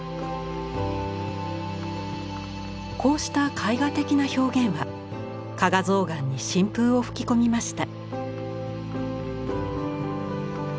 こうした絵画的な表現は加賀象嵌に新風を吹き込みました。